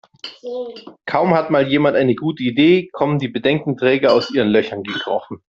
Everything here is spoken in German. Kaum hat mal jemand eine gute Idee, kommen die Bedenkenträger aus ihren Löchern gekrochen.